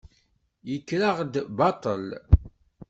Yekker-aɣ-d baṭel.